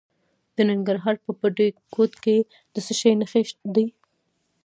د ننګرهار په بټي کوټ کې د څه شي نښې دي؟